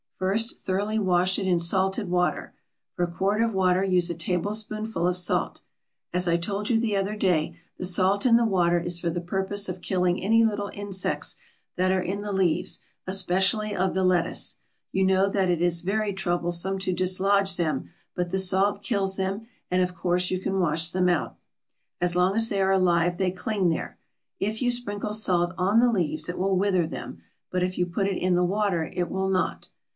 First, thoroughly wash it in salted water. For a quart of water use a tablespoonful of salt. As I told you the other day, the salt in the water is for the purpose of killing any little insects that are in the leaves, especially of the lettuce. You know that it is very troublesome to dislodge them, but the salt kills them, and of course you can wash them out. As long as they are alive they cling there. If you sprinkle salt on the leaves it will wither them, but if you put it in the water it will not.